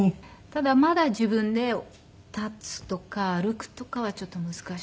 ただまだ自分で立つとか歩くとかはちょっと難しく。